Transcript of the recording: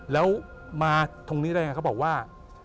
แล้วมาตรงนี้ได้ไงเขาบอกว่า